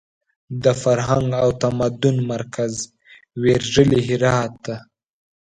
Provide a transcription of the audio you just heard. د فرهنګ او تمدن مرکز ویرژلي هرات ته!